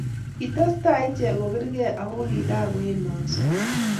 kitestai iche kobirgei ago kigagoumianso